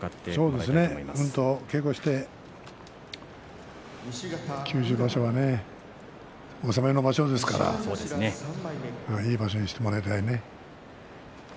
うんと稽古して九州場所はね、納めの場所ですからいい場所にしてもらいたいね。